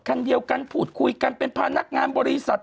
คันเดียวกันพูดคุยกันเป็นพนักงานบริษัท